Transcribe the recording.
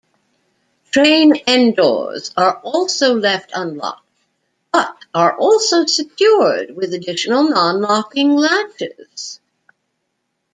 Train end-doors are also left unlocked, but are also secured with additional non-locking latches.